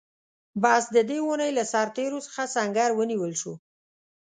بس د دې اوونۍ له سرتېرو څخه سنګر ونیول شو.